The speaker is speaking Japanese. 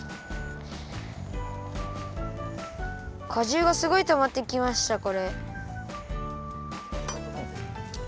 じゅうがすごいたまってきましたこれ。